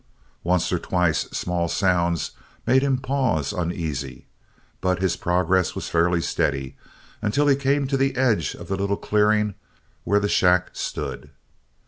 Once or twice small sounds made him pause, uneasy. But his progress was fairly steady until he came to the edge of the little clearing where the shack stood.